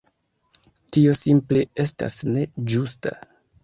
Tio simple estas ne ĝusta.